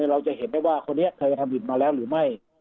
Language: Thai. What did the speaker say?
เราจะเห็นได้ว่าคนนี้เคยกระทำผิดมาแล้วหรือไม่